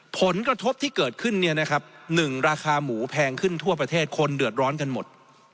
ผลกระทบที่เกิดขึ้น๑ราคาหมูแพงขึ้นทั่วประเทศคนเดือดร้อนกันหมด